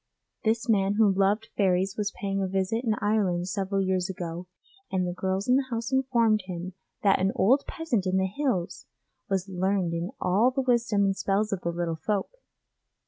This man who loved fairies was paying a visit in Ireland several years ago and the girls in the house informed him that an old peasant in the hills was learned in all the wisdom and spells of the little folk.